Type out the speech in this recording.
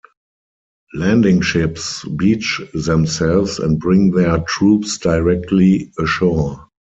Landing ships beach themselves and bring their troops directly ashore.